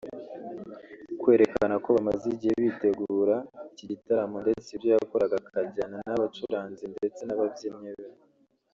kwerekana ko bamaze igihe bitegura iki gitaramo ndetse ibyo yakoraga akajyana n’abacuranzi ndetse n’ababyinnyi be